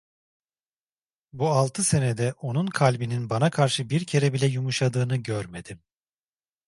Bu altı senede onun kalbinin bana karşı bir kere bile yumuşadığını görmedim.